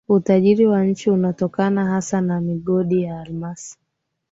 Utajiri wa nchi unatokana hasa na migodi ya almasi